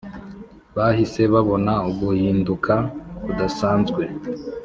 bahise babona uguhinduka kudasanzwe